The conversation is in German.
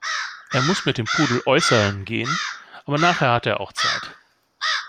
Er muss mit dem Pudel äußerln gehen, aber nachher hat er auch Zeit.